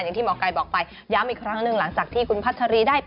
อันนี้ก็ดีฝักไว้กับคุณแม่ได้